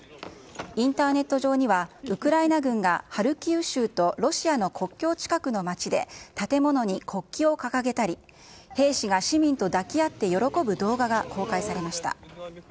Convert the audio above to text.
インターネット上には、ウクライナ軍がハルキウ州とロシアの国境近くの街で、建物に国旗を掲げたり、兵士が市民と抱き合って喜ぶ動画が公開されました。